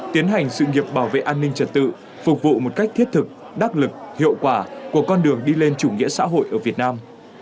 tiến hành sự nghiệp bảo vệ an ninh trật tự phục vụ một cách thiết thực đắc lực hiệu quả của con đường đi lên chủ nghĩa xã hội ở việt nam